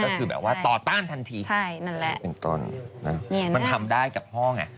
ก็คือแบบว่าต่อต้านทันทีใช่นั่นแหละเป็นต้นมันทำได้กับพ่อไง